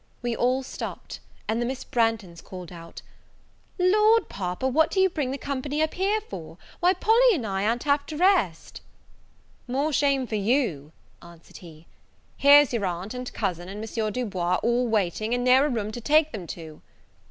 We all stopped; and then Miss Branghton called out, "Lord, Papa, what do you bring the company up here for? why, Polly and I a'n't half dressed." "More shame for you," answered he; "here's your aunt, and cousin, and M. Du Bois, all waiting, and ne'er a room to take them to."